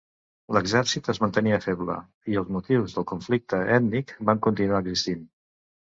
L'exèrcit es mantenia feble, i els motius del conflicte ètnic van continuar existint.